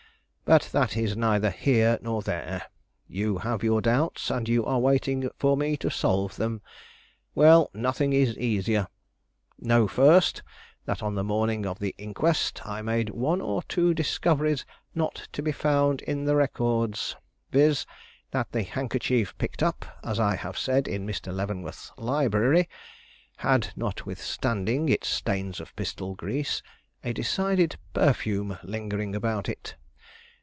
But that is neither here nor there; you have your doubts, and you are waiting for me to solve them. Well, nothing is easier. Know first that on the morning of the inquest I made one or two discoveries not to be found in the records, viz.: that the handkerchief picked up, as I have said, in Mr. Leavenworth's library, had notwithstanding its stains of pistol grease, a decided perfume lingering about it.